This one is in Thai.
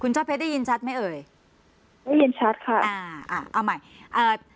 ช่อเพชรได้ยินชัดไหมเอ่ยได้ยินชัดค่ะอ่าอ่าเอาใหม่เอ่อ